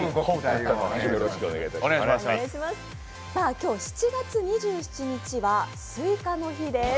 今日７月２７日はスイカの日です。